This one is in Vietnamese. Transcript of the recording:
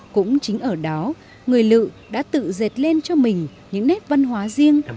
cũng chính ở đó người lự đã tự dệt lên cho mình những nét văn hóa riêng